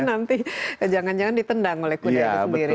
nanti jangan jangan ditendang oleh kuda itu sendiri